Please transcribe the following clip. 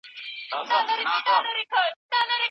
چیرته کولای سو قانون په سمه توګه مدیریت کړو؟